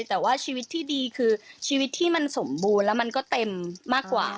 แต่ว่าชีวิตที่ดีคือชีวิตที่มันสมบูรณ์แล้วมันก็เต็มมากกว่า